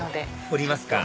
降りますか？